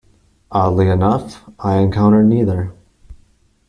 Oddly enough, I encountered neither.